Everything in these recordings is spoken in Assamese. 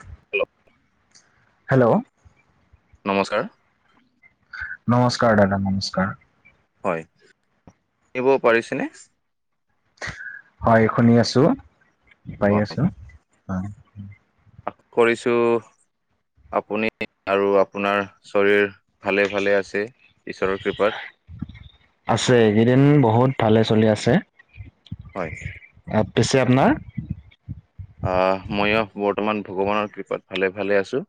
[unintelligible] হেল্ল' নমস্কাৰ নমস্কাৰ দাদা নমস্কাৰ। হয় শুনিব পাৰিছেনে? হয় শুনি আছো পাই হয় আছো অ। আশা কৰিছো আপুনি আৰু আপোনাৰ শৰীৰ ভালে ভালে আছে ঈশ্বৰৰ কৃপাত আছে এইকেইদিন বহুত ভালে চলি আছে। হয়। আ পিছে আপোনাৰ আ মইয়ো বৰ্তমান ভগৱানৰ কৃপাত ভালে ভালে আছোঁ।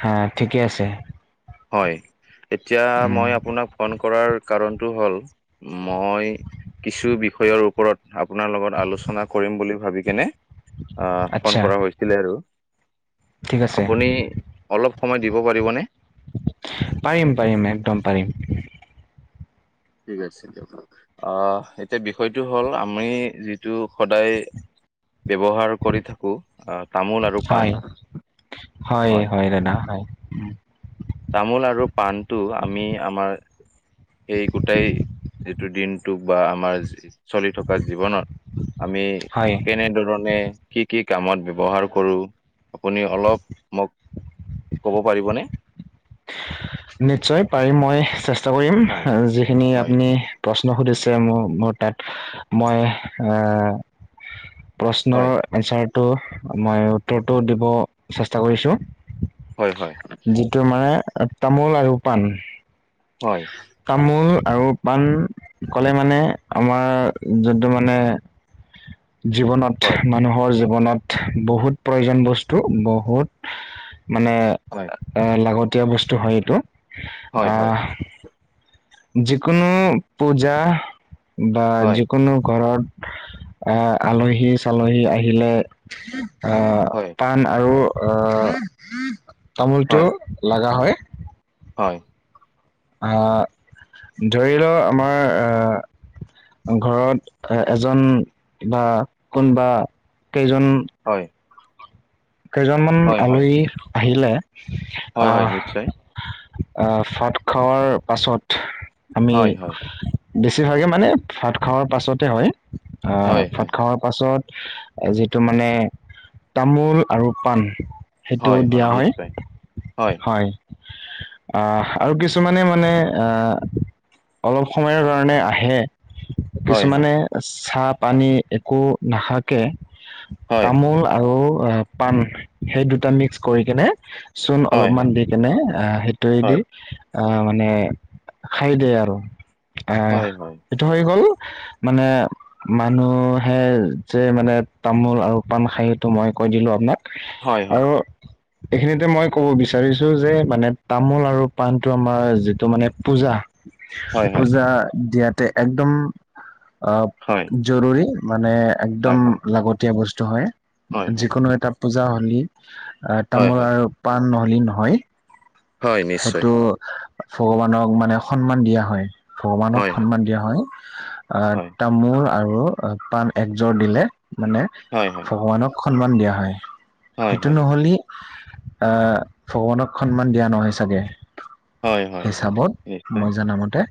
হা ঠিকে আছে। হয় এতিয়া উম মই আপোনাক ফোন কৰাৰ কাৰণটো হ'ল মই কিছু বিষয়ৰ ওপৰত আপোনাৰ লগত আলোচনা কৰিম বুলি ভাবি কেনে আ ফোন আচ্ছা কৰা হৈছিলে আৰু ঠিক আছে আপুনি অলপ সময় দিব পাৰিবনে পাৰিম পাৰিম একদম পাৰিম। ঠিক আছে দিয়ক। আ এতিয়া বিষয়টো হ'ল আমি যিটো সদায় ব্যৱহাৰ কৰি থাকো তামোল আৰু হয় পাণ হয়। হয় দাদা হয়। তামোল আৰু পাণটো আমি আমাৰ এই গোটেই দিনটোক বা আমাৰ যি চলি থকা জীৱনত আমি হয় কেনে ধৰণে কি কি কামত ব্যৱহাৰ কৰোঁ আপুনি অলপ মোক ক'ব পাৰিবনে? নিশ্চয় পাৰিম মই চেষ্টা কৰিম হয়, যিখিনি হয়, আপুনি প্ৰশ্ন সুধিছে মোক মোৰ তাত মই আহ হয়, প্ৰশ্নৰ এনচাৰটো মই উত্তৰটো দিব চেষ্টা কৰিছোঁ। হয় হয়। তোমাৰ তামোল আৰু পাণ হয়। তামোল আৰু পাণ কলে মানে আমাৰ যোনটো মানে জীৱনত হয়, মানুহৰ জীৱনত বহুত প্ৰয়োজন বস্তু বহুত মানে হয়, আ লাগতিয়াল বস্তু হয় এইটো হয়, হয়, অহ যিকোনো পূজা বা হয়, যিকোনো ঘৰত আ আলহী চালহী আহিলে আহ হয়। পান আৰু আহ হয়, তামোলটো লগা হয়। হয়। আ ধৰি লোৱা আমাৰ আ ঘৰত এ এজন বা কোনোবা কেইজন হয়। কেইজনমান হয়, আলহী আহিলে হয়, হয়, আহ নিশ্চয় আ ভাত খোৱাৰ পাছত আমি হয়, হয়। বেছিভাগেই মানে ভাত খোৱাৰ পাছতে হয় আহ হয়, ভাত হয়, খোৱাৰ পাছত যিটো মানে তামোল আৰু পাণ। সেইটো দিয়া হয় হয়। আহ আৰু কিছুমানে মানে আহ অলপ সময়ৰ কাৰণে আহে। হয়, হয়, কিছুমানে চাহ পানী একো নাখাকে হয়, তামোল আৰু পাণ সেই দুটা মিক্স কৰি কিনে চূণ হয়, হয়, অলপমান দি কেনে আহ সেইটোৱে দি হয়, আহ মানে খাই দিয়ে আৰু আহ হয়, হয়, এইটো হৈ গ'ল মানে মানুহহে যে মানে তামোল আৰু পাণ খাই এইটো মই কয় দিলো। নাক হয়, হয়, আৰু [unintelligible] এইখিনিতে মই ক'ব বিচাৰিছো যে মানে তামোল আৰু পাণটো আমাৰ যিটো মানে পূজা হয়, হয়, পূজা দিয়াতে একদম আহ হয়। জৰুৰী মানে হয়, একদম লাগতিয়া বস্তু হয় হয়, হয়, হয়, যিকোনো এটা পূজা হ'লেই আহ হয়, তামোল হয়, আৰু পাণ নহলে নহয়। হয়, নিশ্চয়, সেইটো ভগৱানক মানে সন্মান দিয়া হয় ভগৱানক হয়, হয়, সন্মান দিয়া হয়। আহ হয়, মূৰ আৰু পাণ একযোৰ দিলে মানে হয় হয়। ভগৱানক সন্মান দিয়া হয়। হয়, সেইটো হয়, নহ'লে আহ ভগৱানক সন্মান দিয়া নহয় চাগে। হয়, হয়, হয়, হিচাপত নিশ্চয়, মই জানা মতে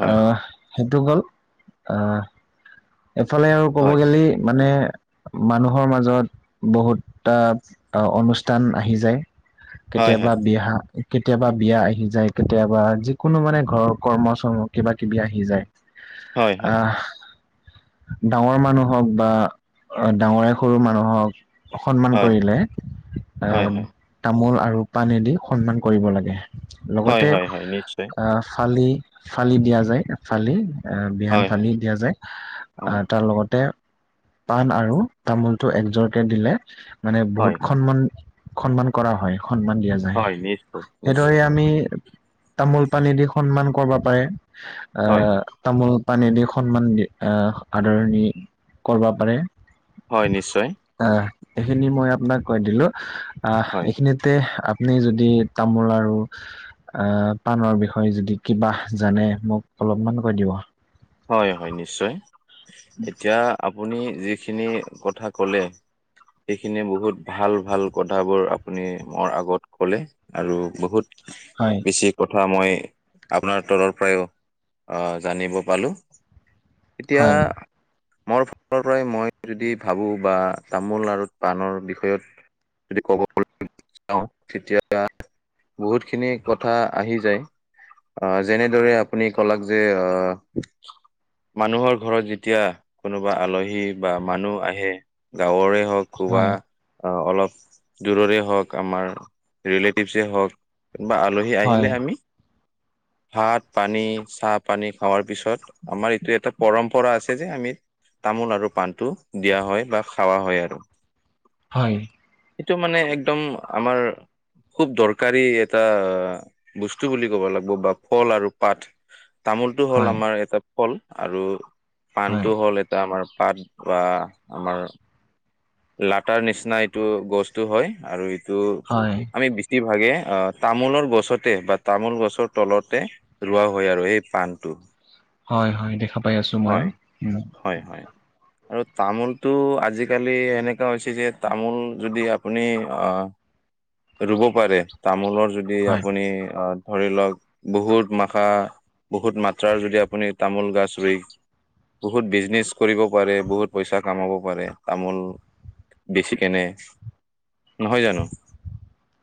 হয়, আহ সেইটো গ'ল আহ এইফালে আৰু ক'ব হয়, গ'লে মানে মানুহৰ মাজত বহুতটা অনুষ্ঠান আহি যায়। হয়, কেতিয়াবা বিয়া কেতিয়াবা বিয়া আহি যায় কেতিয়াবা যিকোনো মানে ঘৰৰ কৰ্ম চৰ্ম কিবা কিবি আহি যায়। হয়, হয়, হয়, হয়, হয়, আহ। ডাঙৰ মানুহ হওক বা ডাঙৰে সৰু মানুহক সন্মান কৰিলে এ তামোল আৰু পানীদি সন্মান কৰিব লাগে হয়, হয়, লগতে হয়, হয়, নিশ্চয়, আহ ফালি ফালি দিয়া যায় ফালি আহ বিহান হয়, ফালি দিয়া যায়। হয়, আহ তাৰ লগতে পাণ আৰু তামোলটো একজোৰকে দিলে মানে বহুত হয়, সন্মান সন্মান কৰা হয় সন্মান দিয়া যায়। হয়, হয়, নিশ্চয়, সেইদৰে নিশ্চয়, আমি তামোল পানী দি সন্মান কৰিব পাৰে। হয়, তামোল পানেদি সন্মান দি আদৰণি কৰিব পাৰে। হয় নিশ্চয়। অ', এইখিনি মই আপোনাক কৈ দিলো আহ হয়, এইখিনিতে আপুনি যদি তামোল আৰু আহ পাণৰ বিষয়ে যদি কিবা জানে মোক অলপমান কৈ দিব। হয় হয় নিশ্চয় এতিয়া আপুনি যিখিনি কথা ক'লে এইখিনি বহুত ভাল ভাল কথাবোৰ আপুনি মোৰ আগত ক'লে। আৰু বহুত হয়। বেছি কথা মই আপোনাৰ তৰফৰ পৰাও জানিব পালো। হয় এতিয়া মোৰ ফালৰ পৰাই মই যদি ভাবো বা তামোল আৰু পাণৰ বিষয়ত যদি কব [unintelligible] যাওঁ তেতিয়া বহুতখিনি কথা আহি‌ যায়। আহ যেনেদৰে আপুনি কলাক যে আহ মানুহৰ ঘৰত যেতিয়া কোনোবা আলহী বা মানুহ আহে গাঁৱৰে হওঁক বা হয় অলপ দূৰৰে হওঁক আমাৰ ৰিলেটিভছে হওঁক কিনবা আলহী হয় আহিলে আমি ভাত পানী চাহ পানী খাৱাৰ পিছত আমাৰ এইটো পৰম্পৰা আছে যে আমি তামোল আৰু পাণটো দিয়া হয় বা খাৱা হয় আৰু। হয়। সেইটো মানে একদম আমাৰ খুব দৰকাৰী এটা বস্তু বুলি ক'ব লাগিব বা ফল আৰু পাত তামোলটো হ'ল হয় আমাৰ এটা ফল আৰু হয় পাণটো হ'ল এ টা আমাৰ পাত বা আমাৰ লাটাৰ নিচিনা এইটো গছটো হয় আৰু এইটো হয় আমি বিছ ভাগে অ তামোলৰ গছতে বা তামোল গছৰ তলতে ৰোৱা হয় আৰু সেই পাণটো। হয় হয় দেখা পাই আছোঁ মইও হয় উম। হয় হয়। আৰু তামোলটো আজিকালি এনেকুৱা হৈছে যে তামোল যদি আপুনি অ ৰুব পাৰে তামোলৰ জ এই হয় আপুনি আ ধৰি ল‌ওক বহুত মাখা বহুত মাত্ৰাৰ যদি আ পুনি তামোল গছ ৰুই বহুত বিজনেচ কৰিব পাৰে বহুত প‌ইচা কামাব পাৰে তামোল বেছি কেনে, নহয় জানোঁ?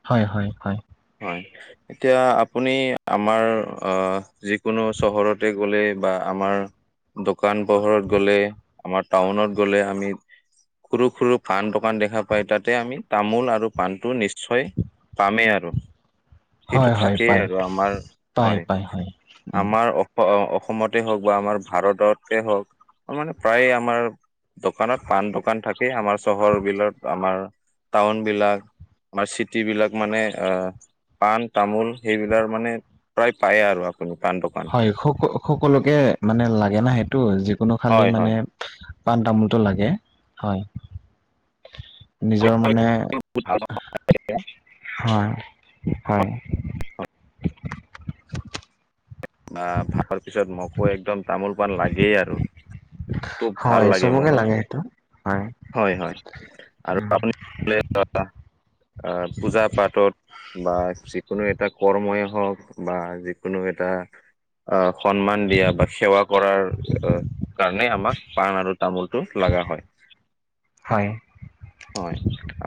হয় হয় হয়। হয়, এতিয়া আপুনি আমাৰ অ যিকোনো চহৰতে গলে বা আমাৰ দোকান পোহৰত গ'লে আমাৰ টাউনত গ'লে আমি সৰু সৰু পাণ দোকান দেখা পায় তাতে আমি তামোল আৰু পাণটো নিশ্চয় পামেই আৰু, সেইটো হয় হয় থাকেই পাই আৰু আমাৰ পাই হয় পাই উম আমাৰ অ অসমতে হওঁক বা আমাৰ ভাৰততে হওঁক মানে প্ৰায় আমাৰ দোকানত পান দোকান থাকে আমাৰ চহৰ বিলত আমাৰ টাউনবিলাক আমাৰ চিটিবিলাক মানে অ পাণ তামোল সেইবিলাক মানে প্ৰায় পায় আৰু আপুনি পাণ দুকা স সকলোকে মানে লাগে ন সেইটো যিকোনো খালি হয় মানে হয় পাণ তামোলটো লাগে, হয়। নিজৰ মানে ভাল হয় হয়। অ ভাতৰ পিছত মোকো একদম তামোল পাণ লাগেই আৰু। খুব ভাল লাগে। মোকে মোৰো লাগে সেইটো। হয়। হয় হয় আৰু উম আপুনি [unintelligible] অ পূজা পাতত বা যিকোনো এটা কৰ্মই হওক বা যিকোনো এটা আহ সন্মান দিয়া বা সেৱা কৰাৰ অ কাৰণে আমাক পাণ আৰু তামোলটো লাগা হয়। হয়। হয়,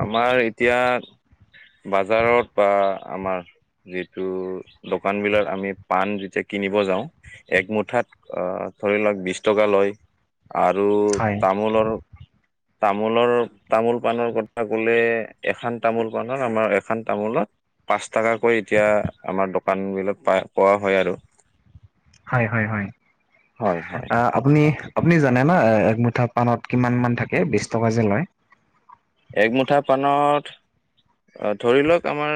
আমাৰ এতিয়া বজাৰত বা আমাৰ যিটো দোকান বিলত আমি পাণ যেতিয়া কিনিব যাওঁ। এক মুঠাত অ', ধৰি লওক বিশ টকা লয়। আৰু হয় তামোলৰ তামোলৰ তামোল পাণৰ কথা ক'লে এখন তামোল পাণত এখন তামোলত পাঁচ টকাকৈ এতিয়া আমাৰ দোকানবিলাক পা-পোৱা হয় আৰু। হয়, হয়, হয়, হয় হয় আ আপুনি আপুনি জানে না এক মুঠা পাণত কিমান মান থাকে বিশ টকা যে লয়? একমুঠা পানত অ', ধৰি লওক আমাৰ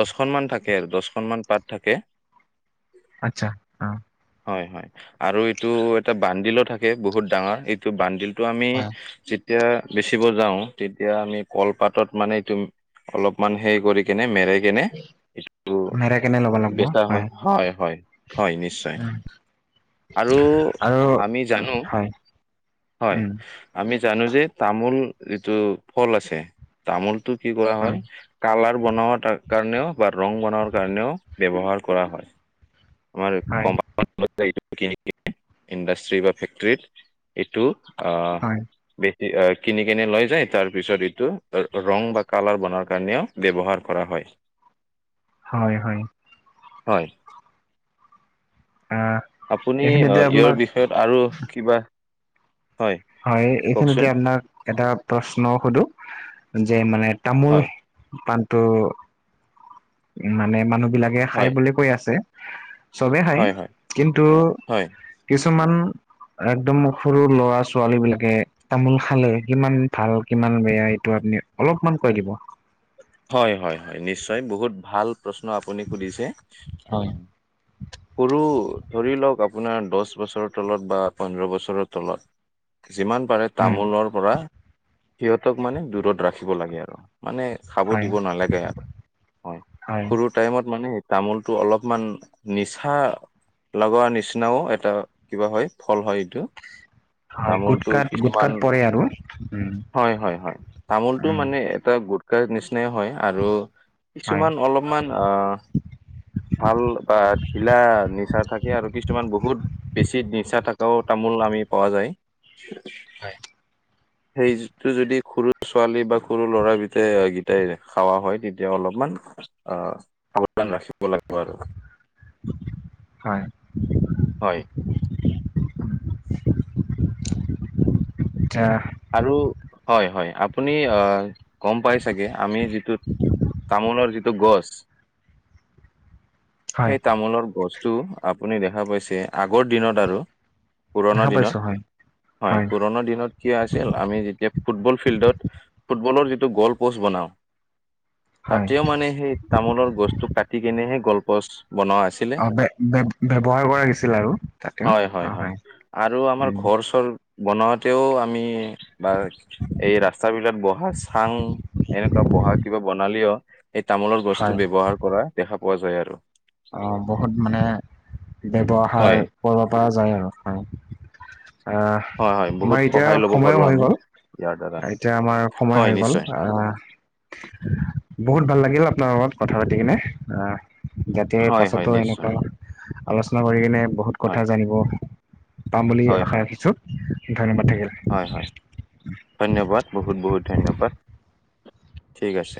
দচখনমান থাকে আৰু দছখন মান পাত থাকে। [inaudible] আচ্ছা। অ হয়, হয়, আৰু এইটো এটা বান্দিলো থাকে বহুত ডাঙৰ, এই এইটো বানডিলটো আমি হয় যেতিয়া বেচিব যাওঁ। তেতিয়া আমি কলপাতত মানে তু অলপমান হে কৰি কেনে মেৰাই কেনে এইটো নেৰে কেনে ল'ব লাগিব বেচা হয়, হয়, হয়, হয়, নিশ্চয়। [inaudible] আৰু আৰু আমি জানো। হয় হয়, উম আমি জানো যে তামোল যিটো ফল আছে, তামোলটো কি কৰা হয়, কালাৰ বনোৱাত কাৰণেও বা ৰং বনোৱাৰ কাৰণেও ব্যৱহাৰ কৰা হয়, আমাৰ হয় [unintelligible] ইণ্ডাষ্ট্ৰি বা ফেক্টৰিত এইটো হয় অ'। বেছি কিনি কেনে লৈ যায় তাৰ পিছত এইটো ৰং বা কালাৰ বনোৱাৰ কাৰণেও ব্যৱহাৰ কৰা হয়। হয়, হয়। হয়। অ'। আপুনি ইয়াৰ বিষয়ত আৰু কিবা হয়, এইখিনিতে কওকচোন আপোনাক এটা প্ৰশ্নও সোধো যে মানে তামোল হয় পাণটো উ, মানে মানুহ বিলাক খাই হয় বুলি কৈ আছে। চবেই খাই হয় হয় কিন্তু হয় কিছুমান একদম সৰু ল'ৰা-ছোৱা ছোৱালী বিলাকে তামোল খালে কিমান ভাল কিমান বেয়া এইটো আপুনি অলপমান কৈ দিব? হয়, হয়, হয়, নিশ্চিয় বহুত ভাল প্ৰশ্ন আপুনি সুধিছে। অ, হয়। সৰু ধৰি লওক আপোনাৰ দহ বছৰৰ তলত বা পোন্ধৰ বছৰৰ তলত। যিমান পাৰে উম, তামোলৰ পৰা সিহঁতক মানে দূৰত ৰাখিব লাগে আৰু মানে খাব হয়, দিব নালাগে আৰু হয়, সৰু টাইমত মানে সেই তামোলটো অলপ মান নিচা লগোৱাৰ নিচিনাও এটা কিবা হয়, ফল হয় এইটো। হয়, তামোলটো গুটকাত কিছুমান গুটকাত পৰে আৰু উম, হয়, হয়, হয়, তামোলটো উম, মানে এটা গুতকাৰ নিচিনাই হয় আৰু হয়। কিছুমান অলপ মান অ', ভাল বা ধিলা নিচা থাকে আৰু কিছুমান বহুত বেছি নিচা থকাও তামোল আমি পোৱা যায়। হয়। [unintelligible] সেইটো যদি সৰু ছোৱালী বা সৰু ল'ৰাৰ কেইটাই খাৱা হয় তেতিয়া অলপমান অ' সাৱধান ৰাখিব লাগিব আৰু। হয়। হয়। [unintelligible] আৰু হয়-হয় আপুনি আহ গম পাই চাগে, আমি যিটো তামোলৰ যিটো গছ হয়, সেই তামোলৰ গছটো আপুনি দেখা পাইছে আগৰ দিনত আৰু পুৰণা দেখা পাইছো দিনত হয়, হয়, পুৰণা দিনত কিয় আছিল আমি যেতিয়া ফুটবল ফিল্ডত ফুটবলৰ যিটো গল প'ষ্ট বনাওঁ। হয়। তাতেও মানে সেই তামোলৰ গছতটো কাটি কেনে হে গল্পচ বনোৱা আছে। অ' ব্যৱহাৰ কৰা গৈছিল আৰু তাতে অ' হয়। আৰু আমাৰ উম, ঘৰ চৰ বনাওঁতেও আমি বা এই ৰাস্তা বিলাক বহা চাং, এনেকুৱা বহা কিবা বনালেও এই তামোলৰ হয়। গছতো ব্যৱহাৰ কৰা দেখা পোৱা যায় আৰু। অ' বহুত মানে ব্যৱহাৰ হয় কৰিব পৰা যায় আৰু মানে। হয় হয় আহ বহুত আমাৰ এতিয়া সহায় ল'ব সময়ো পাৰো হৈ আমি গ'ল, ইয়াৰ দ্বাৰা এতিয়া আমাৰ সময় হয় হৈ গ'ল নিশ্চয় আহ বহুত ভাল লাগিল অ' আপোনাৰ লগত কথা পাতি কিনে আহ। এতিয়া হয় হয় পাছতো নিশ্চয় এনেকুৱা ন আলোচনা কৰি কিনে বহুত কথা হয় জানিব পাম বুলি হয় আশা হয় ৰাখিছোঁ, ধন্যবাদ থাকিল। হয় হয়, ধন্যবাদ, বহুত বহুত ধন্যবাদ, ঠিক আছে।